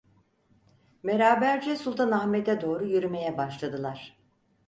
Beraberce Sultanahmet’e doğru yürümeye başladılar.